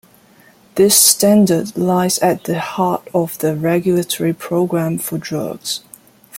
This standard lies at the heart of the regulatory program for drugs.